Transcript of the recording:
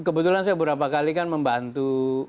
kebetulan saya beberapa kali kan membantu